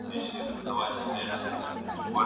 سپينکۍ مينځه!